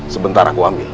sebentar aku ambil